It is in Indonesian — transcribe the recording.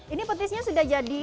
ini petisnya sudah jadi